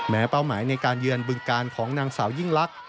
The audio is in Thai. เป้าหมายในการเยือนบึงการของนางสาวยิ่งลักษ